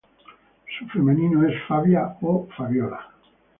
Su femenino es Fabia o Fabiola.